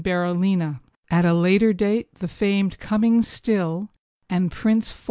Berolina. At a later date the famed Coming Still and Prince IV.